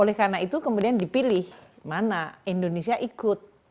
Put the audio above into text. oleh karena itu kemudian dipilih mana indonesia ikut